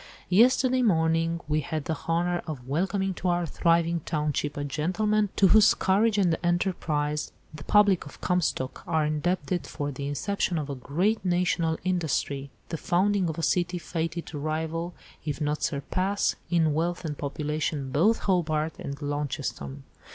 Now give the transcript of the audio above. "Yesterday morning we had the honour of welcoming to our thriving township a gentleman, to whose courage and enterprise the public of Comstock are indebted for the inception of a great national industry, the founding of a city fated to rival, if not surpass, in wealth and population both Hobart and Launceston.